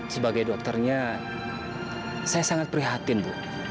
sebagai dokternya saya sangat prihatin bu